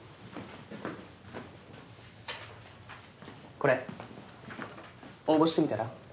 これ応募してみたら？